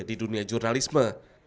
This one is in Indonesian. di dunia jurnalisme